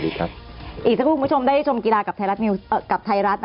อีกสักครู่คุณผู้ชมได้ชมกีฬากับไทรัส